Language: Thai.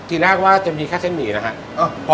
ทีแรกว่าจะมีแค่เส้นหมี่นะครับ